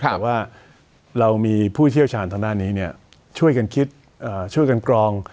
แต่ว่าเรามีผู้เชี่ยวชาญทางด้านนี้ช่วยกันคิดช่วยกันกรอง